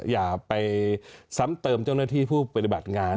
อย่าไปซ้ำเติมเจ้าหน้าที่ผู้ปฏิบัติงาน